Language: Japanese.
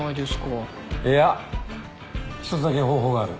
いや一つだけ方法がある。